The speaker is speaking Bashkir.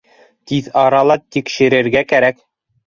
— Тиҙ арала тикшерергә кәрәк